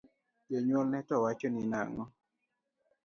Jonyuolne to wachoni nang’o?